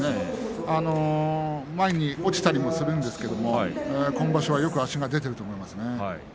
前に落ちたりもするんですけれど今場所はよく足が出ていると思います。